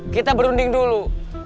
kita berunding dulu